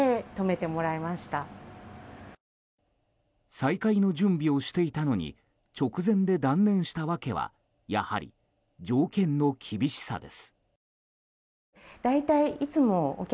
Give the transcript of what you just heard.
再開の準備をしていたのに直前で断念した訳はやはり、条件の厳しさです。